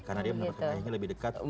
karena dia menurutku ayahnya lebih dekat